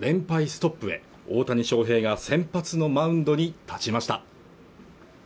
ストップへ大谷翔平が先発のマウンドに立ちました